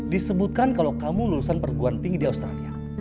disebutkan kalau kamu lulusan perguruan tinggi di australia